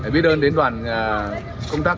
biết ơn đến đoàn công tác